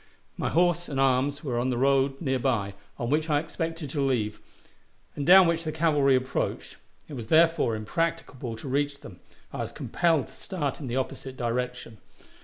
My horse and arms were near the road on which I expected to leave, and down which the cavalry approached; it was therefore impracticable to reach them. I was compelled to start in the opposite direction.